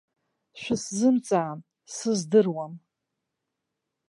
Шәысзымҵаан, сыздыруам.